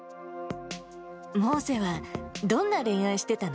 モーセはどんな恋愛してたの？